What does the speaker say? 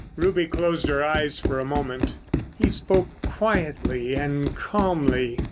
Ruby closed her eyes for a moment. He spoke quietly and calmly.